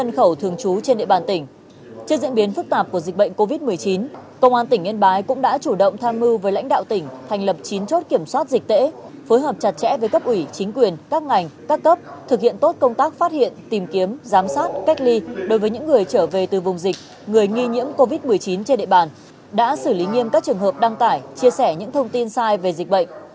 công an tỉnh yên bái cũng đã chủ động tham mưu với lãnh đạo tỉnh thành lập chín chốt kiểm soát dịch tễ phối hợp chặt chẽ với cấp ủy chính quyền các ngành các cấp thực hiện tốt công tác phát hiện tìm kiếm giám sát cách ly đối với những người trở về từ vùng dịch người nghi nhiễm covid một mươi chín trên địa bàn đã xử lý nghiêm các trường hợp đăng tải chia sẻ những thông tin sai về dịch bệnh